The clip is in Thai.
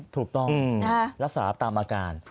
ถูกต้องรักษาตามอาการ